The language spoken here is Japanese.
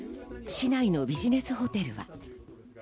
市内のビジネスホテルは。